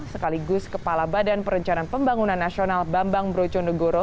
sekaligus kepala badan perencanaan pembangunan nasional bambang brojonegoro